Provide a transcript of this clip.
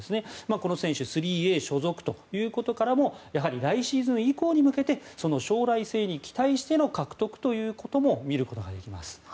この選手３Ａ所属ということからも来シーズン以降に向けて将来性に期待しての獲得ということも見ることができます。